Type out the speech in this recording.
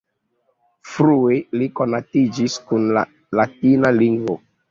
Frue li konatiĝis kun la latina lingvo.